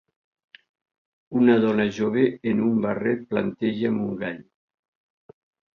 Una dona jove en un barret planteja amb un gall.